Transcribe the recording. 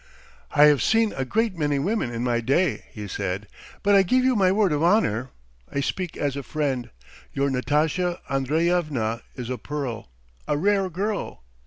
"'I have seen a great many women in my day,' he said, 'but I give you my word of honour, I speak as a friend, your Natasha Andreyevna is a pearl, a rare girl.